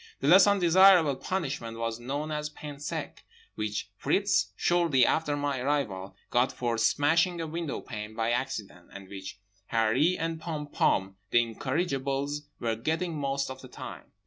The less undesirable punishment was known as pain sec—which Fritz, shortly after my arrival, got for smashing a window pane by accident; and which Harree and Pom Pom, the incorrigibles, were getting most of the time.